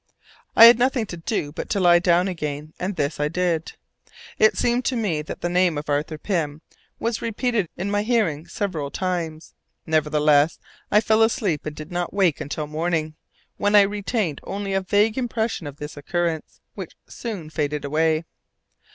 I had nothing to do but to lie down again, and this I did. It seemed to me that the name of Arthur Pym was repeated in my hearing several times; nevertheless, I fell asleep and did not wake until morning, when I retained only a vague impression of this occurrence, which soon faded away.